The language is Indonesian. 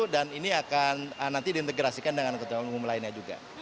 dan ini akan nanti diintegrasikan dengan angkutan umum lainnya juga